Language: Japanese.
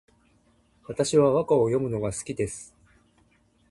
私は和歌を詠むのが好きです